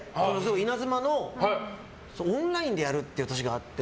イナズマのオンラインでやる年があって。